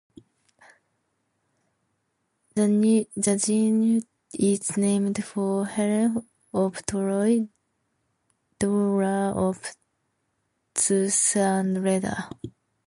The genus is named for Helen of Troy, daughter of Zeus and Leda.